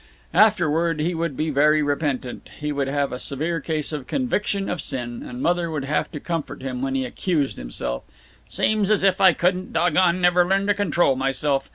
Afterward he would be very repentant; he would have a severe case of conviction of sin, and Mother would have to comfort him when he accused himself: "Seems as if I couldn't doggone never learn to control myself.